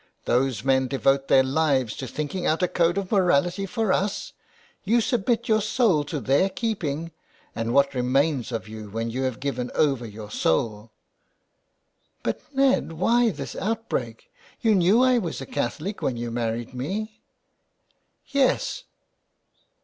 " Those men devote their lives to thinking out a code of morality for us ! You submit your soul to their keeping. And what remains of you when you have given over your soul ?"" But, Ned, why this outbreak ? You knew I was a Catholic when you married me." " Yes